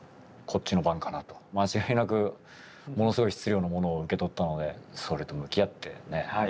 間違いなくものすごい質量のものを受け取ったのでそれと向き合ってね